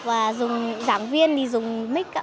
và dùng giảng viên thì dùng mic ạ